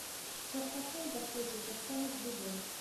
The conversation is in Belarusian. Частакол даходзіў да самых дубоў.